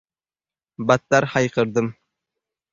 Battar hayqirdim.